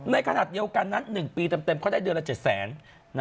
ในขณะเดียวกันนั้น๑ปีเต็มเขาได้เดือนละ๗แสน